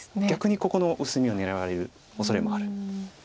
逆にここの薄みを狙われるおそれもある。